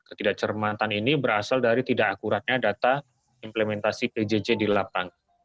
ketidakcermatan ini berasal dari tidak akuratnya data implementasi pjj di lapangan